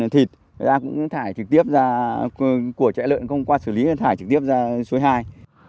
thịt cũng thải trực tiếp ra của chạy lợn không qua xử lý thì thải trực tiếp ra suối hai